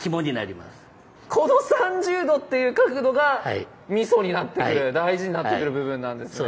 この３０°っていう角度がミソになってくる大事になってくる部分なんですね。